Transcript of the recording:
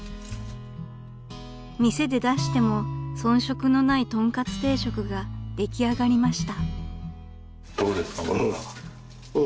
［店で出しても遜色のない豚カツ定食が出来上がりました］